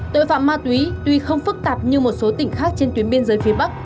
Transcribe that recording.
tội phạm ma túy tuy không phức tạp như một số tỉnh khác trên tuyến biên giới phía bắc